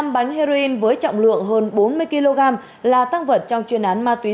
một trăm một mươi năm bánh heroin với trọng lượng hơn bốn mươi kg là tăng vật trong chuyên án ma túy